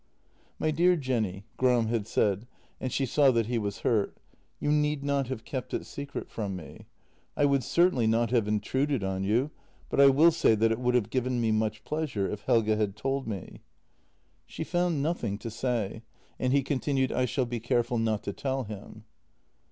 " My dear Jenny," Gram had said, and she saw that he was hurt, " you need not have kept it secret from me. I would certainly not have intruded on you — but I will say that it would have given me much pleasure if Helge had told me." 144 JENNY She found nothing to say, and he continued: " I shall be careful not to tell him."